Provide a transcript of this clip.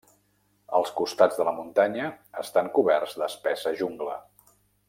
Els costats de la muntanya estan coberts d'espessa jungla.